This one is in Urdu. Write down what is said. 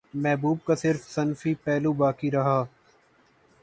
محبوب کا صرف صنفی پہلو باقی رہا